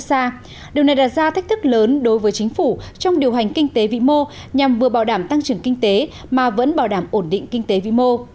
điều này đặt ra thách thức lớn đối với chính phủ trong điều hành kinh tế vĩ mô nhằm vừa bảo đảm tăng trưởng kinh tế mà vẫn bảo đảm ổn định kinh tế vĩ mô